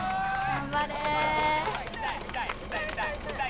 頑張れ。